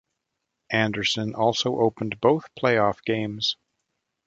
Anderson also opened both playoff games.